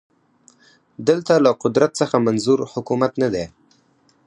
دلته له قدرت څخه منظور حکومت نه دی